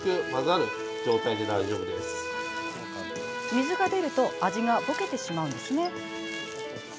水が出ると味がぼけてしまうんですね。